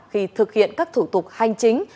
khi thực hiện các thủ tục hành chính